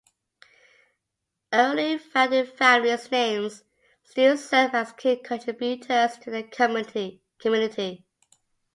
Early founding families names still serve as key contributors to the community.